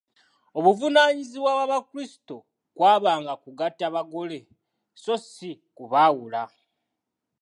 Obuvunaanyibwa bw’Abakrisitu kw’abanga kugatta bagole sso si kubaawula.